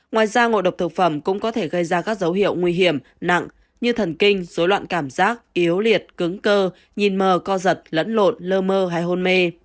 ngoài ra ngộ độc thực phẩm cũng có thể gây ra các dấu hiệu nguy hiểm nặng như thần kinh dối loạn cảm giác yếu liệt cứng cơ nhìn mờ co giật lẫn lộn lơ mơ hay hôn mê